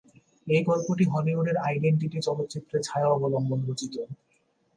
এই গল্পটি হলিউডের "আইডেন্টিটি" চলচ্চিত্রের ছায়া অবলম্বন রচিত।